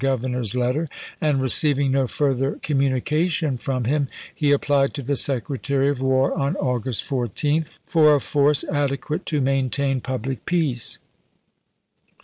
Governor's letter ; and receiving no further com Aug. 8, i863, munication from him, he applied to the Secretary of War on August 14th for a force adequate to maintain public peace.